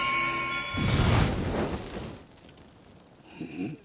ん？